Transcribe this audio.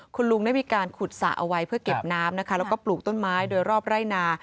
คุณลุงได้มีการขุดสระเอาไว้เพื่อเก็บน้ำนะคะแล้วก็ปลูกต้นไม้โดยรอบไร่นา